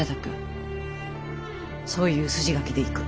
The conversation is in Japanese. そういう筋書きでいく。